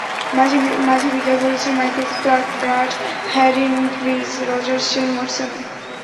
মাঝে বিদায় বলেছেন Michael Clarke, Brad Haddin, Chris Rogers, Shane ওয়াটসনও।